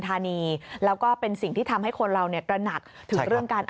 ธานีแล้วก็เป็นสิ่งที่ทำให้คนเราเนี่ยตระหนักถึงเรื่องการ